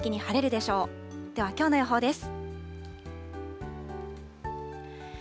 ではきょうの予報です。